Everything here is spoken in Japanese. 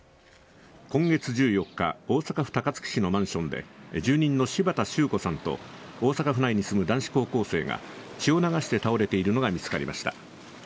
今月１４日大阪府高槻市のマンションで住人の柴田周子さんと大阪府内に住む男子高校生が血を流して倒れているのが見つかりました。